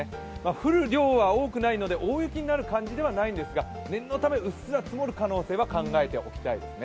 降る量は多くないので、大雪になることはないんですが、念のためうっすら積もる可能性は考えておきたいですね。